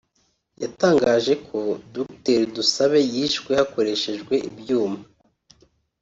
yatangaje ko Dr Dusabe yishwe hakoreshejwe ibyuma